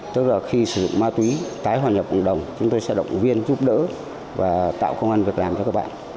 tức là khi sử dụng ma túy tái hoàn nhập cộng đồng chúng tôi sẽ động viên giúp đỡ và tạo công an việc làm cho các bạn